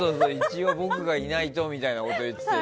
僕がいないとみたいなこと言ってて。